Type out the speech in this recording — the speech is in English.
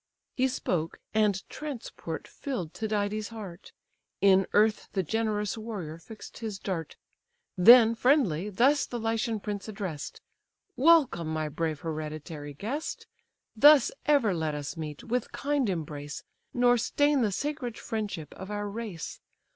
He spoke, and transport fill'd Tydides' heart; In earth the generous warrior fix'd his dart, Then friendly, thus the Lycian prince address'd: "Welcome, my brave hereditary guest! Thus ever let us meet, with kind embrace, Nor stain the sacred friendship of our race.